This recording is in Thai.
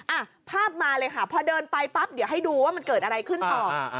อ่ะภาพมาเลยค่ะพอเดินไปปั๊บเดี๋ยวให้ดูว่ามันเกิดอะไรขึ้นต่อ